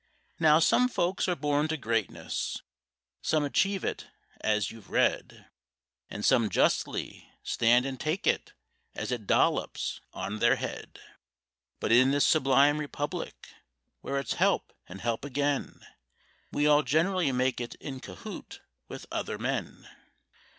Now some folks are born to greatness, some achieve it, as you've read; And some justly stand and take it as it dollops on their head; But in this sublime Republic, where it's help and help again, We all generally make it in cahoot with other men.